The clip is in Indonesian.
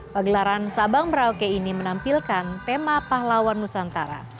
pagelaran sabang merauke ini menampilkan tema pahlawan nusantara